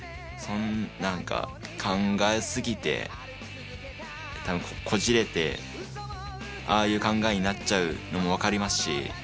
何か考え過ぎて多分こじれてああいう考えになっちゃうのも分かりますし。